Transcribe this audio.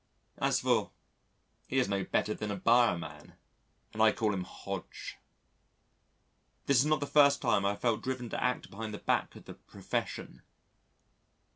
As for , he is no better than a byreman, and I call him Hodge. This is not the first time I have felt driven to act behind the back of the Profession.